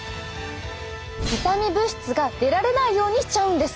痛み物質が出られないようにしちゃうんです！